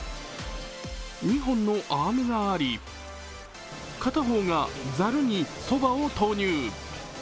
２本のアームがあり片方が、ざるにそばを投入。